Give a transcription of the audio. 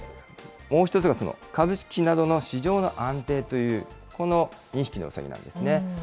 もう１つが株式などの市場の安定という、この二匹の兎なんですね。